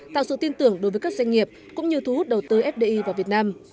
tạo sự tin tưởng đối với các doanh nghiệp cũng như thu hút đầu tư fdi vào việt nam